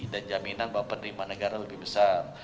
dan jaminan bahwa penerimaan negara lebih besar